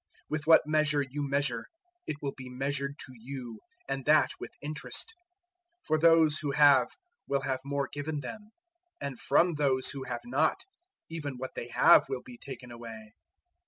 With what measure you measure, it will be measured to you, and that with interest. 004:025 For those who have will have more given them; and from those who have not, even what they have will be taken away."